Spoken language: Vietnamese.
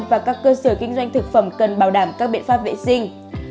và các cơ sở kinh doanh thực phẩm cần bảo đảm các biện pháp vệ sinh